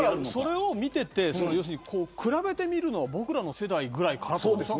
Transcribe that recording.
それを見ていて比べてみるのは僕らの世代ぐらいかな。